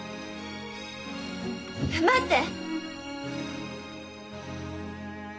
待って！